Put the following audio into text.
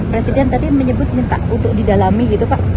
presiden tadi menyebut minta untuk didalami gitu pak